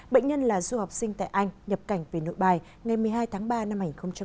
bệnh nhân là du học sinh tại anh nhập cảnh về nội bài ngày một mươi hai tháng ba năm hai nghìn hai mươi